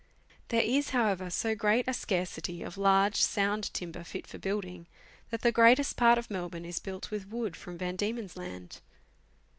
There is, how ever, so great a scarcity of large, sound timber fit for building, that the greatest part of Melbourne is built with wood from Van Diemeii's Land.